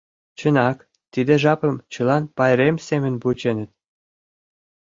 Чынак, тиде жапым чылан пайрем семын вученыт.